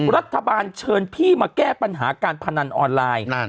รัฐบาลเชิญพี่มาแก้ปัญหาการพนันออนไลน์